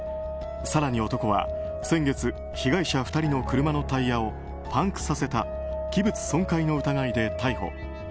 更に男は先月被害者２人の車のタイヤをパンクさせた器物損壊の疑いで逮捕。